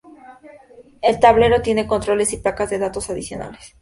El tablero tiene controles y placas de datos adicionales.